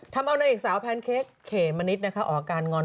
ทำเอาเนื้ออีกสาวแพนเค้กเขมมานิดนะคะออกอาการงอน